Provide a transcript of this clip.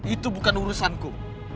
itu bukan urusanku